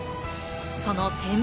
その展望